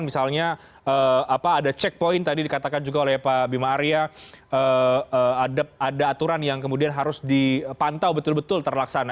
misalnya ada checkpoint tadi dikatakan juga oleh pak bima arya ada aturan yang kemudian harus dipantau betul betul terlaksana